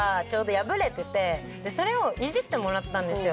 それをいじってもらったんですよ。